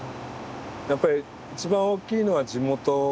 やっぱり一番大きいのは地元かな。